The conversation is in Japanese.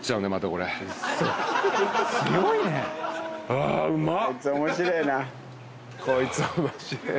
あーうまっ。